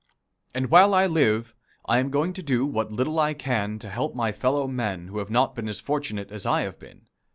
And while I live, I am going to do what little I can to help my fellow men who have not been as fortunate as I have been.